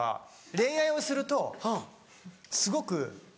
恋愛をするとすごく。